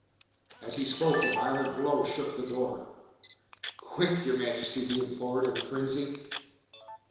As he spoke a violent blow shook the door. "Quick, Your Majesty," he implored, in a frenzy.